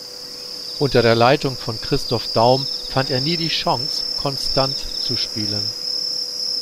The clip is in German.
Unter der Leitung von Christoph Daum fand er nie die Chance konstant zu spielen.